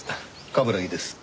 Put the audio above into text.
冠城です。